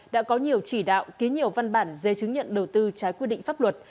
đã có nhiều chỉ đạo ký nhiều văn bản dây chứng nhận đầu tư trái quy định pháp luật